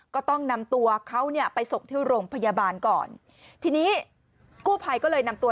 ก็ต้องนำตัวเขาเนี่ยไปส่งที่โรงพยาบาลก่อนทีนี้กู้ภัยก็เลยนำตัว